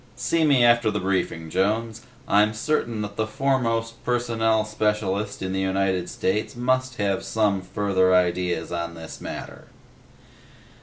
"See me after the briefing, Jones. I'm certain that the Foremost Personnel Specialist in the United States must have some further ideas on this matter."